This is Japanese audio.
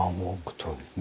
そうですね。